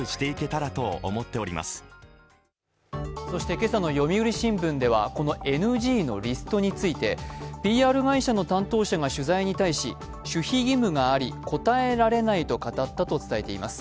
今朝の「読売新聞」ではこのＮＧのリストについてＰＲ会社の担当者が取材に対し守秘義務があり答えられないと語ったと伝えています。